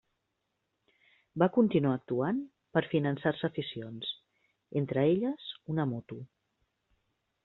Va continuar actuant per finançar-se aficions, entre elles una moto.